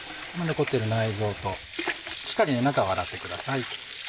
残ってる内臓としっかり中を洗ってください。